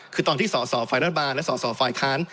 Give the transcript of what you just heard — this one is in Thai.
คือตอนที่สอสอฝ่ายรัฐบาลและสอสอฝ่ายค้าน